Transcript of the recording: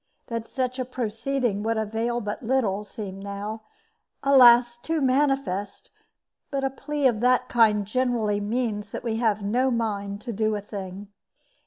That such a proceeding would avail but little, seemed now, alas! too manifest; but a plea of that kind generally means that we have no mind to do a thing.